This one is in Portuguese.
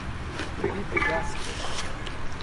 Felipe Gasper